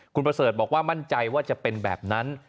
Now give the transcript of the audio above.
คุณประเสริฐบอกว่ามั่นใจว่าจะเป็นแบบนั้น